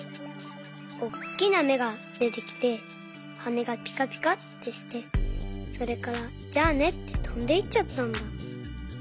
おっきなめがでてきてはねがぴかぴかってしてそれから「じゃあね」ってとんでいっちゃったんだ。